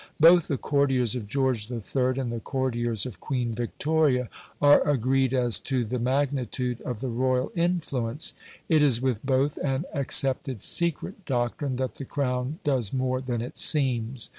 Both the courtiers of George III. and the courtiers of Queen Victoria are agreed as to the magnitude of the royal influence. It is with both an accepted secret doctrine that the Crown does more than it seems.